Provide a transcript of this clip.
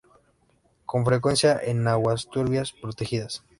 Con frecuencia en aguas turbias protegidas.